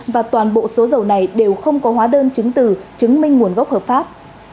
và toàn bộ số dầu này đều không có hóa đơn chứng từ chứng minh nguồn gốc hợp pháp